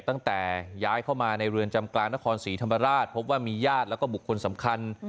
ตั้งแต่ย้ายเข้ามาในเรือนจำกลางนครศรีธรรมราชพบว่ามีญาติแล้วก็บุคคลสำคัญ